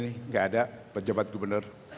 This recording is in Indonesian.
nggak ada pejabat gubernur